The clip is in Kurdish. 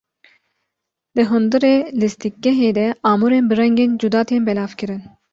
Di hundirê lîstikgehê de amûrên bi rengên cuda tên belavkirin.